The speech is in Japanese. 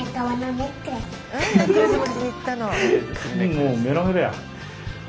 もうメロメロや！